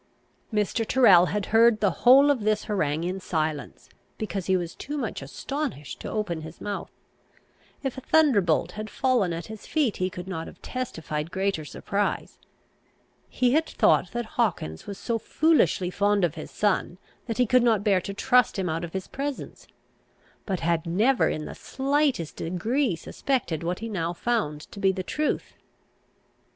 Mr. Tyrrel had heard the whole of this harangue in silence, because he was too much astonished to open his mouth. If a thunderbolt had fallen at his feet, he could not have testified greater surprise. He had thought that Hawkins was so foolishly fond of his son, that he could not bear to trust him out of his presence; but had never in the slightest degree suspected what he now found to be the truth.